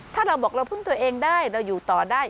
ถ้าเราบอกเราพึ่งตัวเองได้เราอยู่ต่อได้